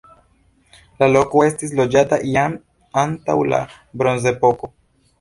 La loko estis loĝata jam antaŭ la bronzepoko.